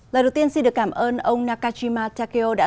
lời đầu tiên xin được cảm ơn ông nakajima takeo đã